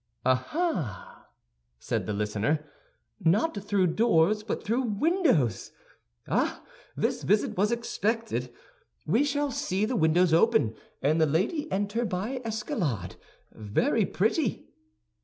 "Ah, ah!" said the listener, "not through doors, but through windows! Ah, this visit was expected. We shall see the windows open, and the lady enter by escalade. Very pretty!"